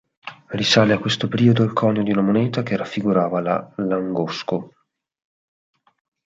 Risale a questo periodo il conio di una moneta che raffigurava la Langosco.